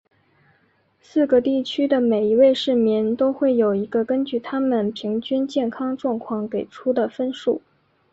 四个地区的每一位市民都会有一个根据他们平均健康状况给出的分数。